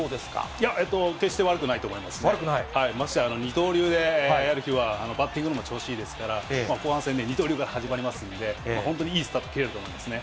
いや、決して悪くないと思い悪くない？ましてや二刀流でやる日は、バッティングも調子がいいですから、後半戦で二刀流から始まりますんで、本当にいいスタート切れると思いますね。